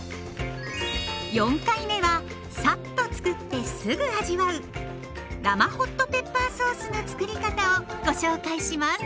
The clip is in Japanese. ４回目はさっとつくってすぐ味わう生ホットペッパーソースのつくり方をご紹介します。